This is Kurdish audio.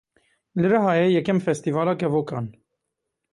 Li Rihayê yekem Festîvala Kevokan.